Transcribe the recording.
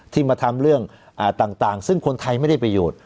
ที่มาทำเรื่องอ่าต่างต่างซึ่งคนไทยไม่ได้ประโยชน์